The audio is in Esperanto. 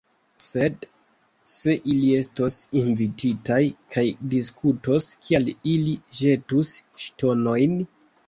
Sed, se ili estos invititaj kaj diskutos, kial ili ĵetus ŝtonojn?